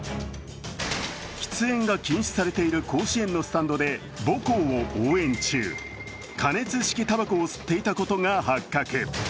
喫煙が禁止されている甲子園のスタンドで、母校を応援中、加熱式たばこを吸っていたことが発覚。